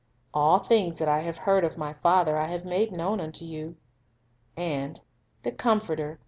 "All things that I have heard of My Father I have made known unto you." And "the Comforter